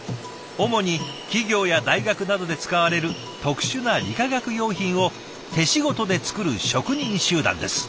主に企業や大学などで使われる特殊な理化学用品を手仕事で作る職人集団です。